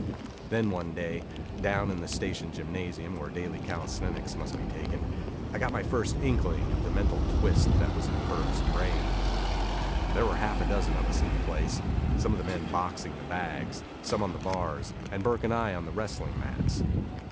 Then one day, down in the station gymnasium where daily calisthenics must be taken, I got my first inkling of the mental twist that was in Burke's brain. There were half a dozen of us in the place; some of the men boxing the bags, some on the bars, and Burke and I on the wrestling mats.